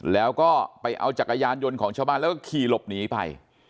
แล้วก็ไปเอาจักรยานยนต์ของชาวบ้านแล้วก็ขี่หลบหนีไป